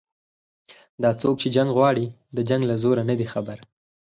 دا څوک چې جنګ غواړي د جنګ له زوره نه دي خبر